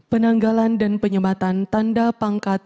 penanggalan dan penyematan tanda pangkat